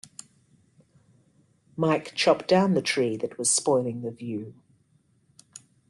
Mike chopped down the tree that was spoiling the view